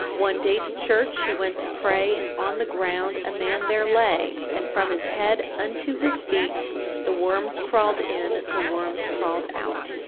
One day to church she went to pray, And on the ground a man there lay, And from his head unto his feet The worms crawled in, the worms crawled out.